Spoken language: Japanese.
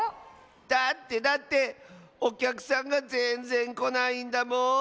だってだっておきゃくさんがぜんぜんこないんだもん。